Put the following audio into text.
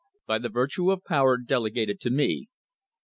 By the virtue of power delegated to me.